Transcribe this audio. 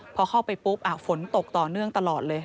พอเข้าไปปุ๊บฝนตกต่อเนื่องตลอดเลย